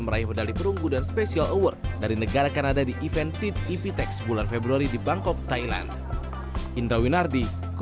meraih medali perunggu dan special award dari negara kanada di event tip iptex bulan februari di bangkok thailand